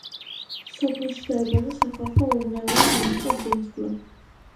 სოფელში დაიბადა სახალხო მომღერალი ნანიკო ბურძგლა.